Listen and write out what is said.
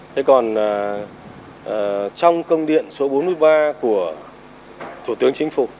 thế còn trong công điện số bốn mươi ba của thủ tướng chính phủ